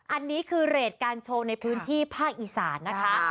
อันนี้คือเรทการโชว์ในพื้นที่ภาคอีสานนะคะ